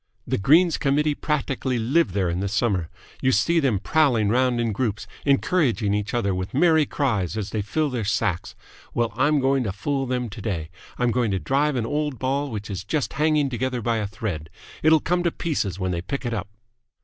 The Greens Committee practically live there in the summer. You see them prowling round in groups, encouraging each other with merry cries as they fill their sacks. Well, I'm going to fool them today. I'm going to drive an old ball which is just hanging together by a thread. It'll come to pieces when they pick it up!"